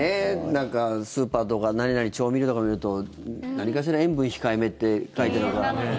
なんかスーパーとか何々調味料とか見ると何かしら塩分控えめって書いてるから。